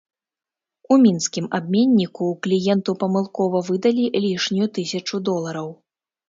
У мінскім абменніку кліенту памылкова выдалі лішнюю тысячу долараў.